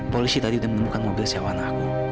polisi tadi udah menemukan mobil siawan aku